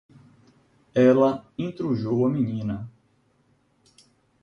Ela intrujou a menina.